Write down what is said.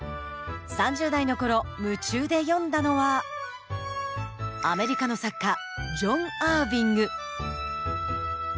３０代の頃夢中で読んだのはアメリカの作家ジョン・アーヴィング。